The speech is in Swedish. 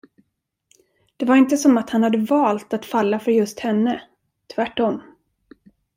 Det var inte som att han hade valt att falla för just henne, tvärtom.